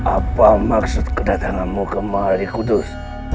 apa maksud kedatanganmu ke mahalikudus